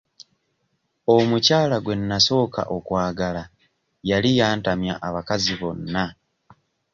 Omukyala gwe nnasooka okwagala yali yantamya abakazi bonna.